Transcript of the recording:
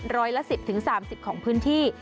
ร้อยละ๑๐๓๐ของพื้นที่